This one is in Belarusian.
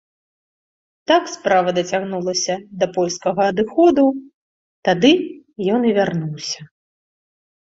Так справа дацягнулася да польскага адыходу, тады ён і вярнуўся.